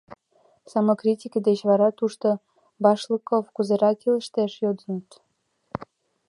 Самокритике деч вара тушто Башлыков кузерак илыштеш?» — йодыныт.